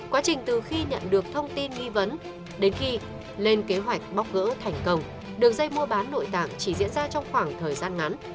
quá trình từ khi nhận được thông tin nghi vấn đến khi lên kế hoạch bóc gỡ thành công đường dây mua bán nội tạng chỉ diễn ra trong khoảng thời gian ngắn